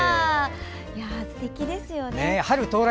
すてきですよね。